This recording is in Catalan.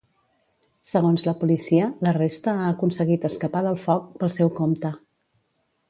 Segons la policia, la resta ha aconseguit escapar del foc “pel seu compte”.